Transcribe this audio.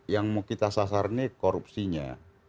yang mau kita sasar ini korupsinya